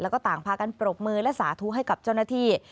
แล้วก็ต่างพากันปรบมือและสาธุให้กับเจ้าหน้าที่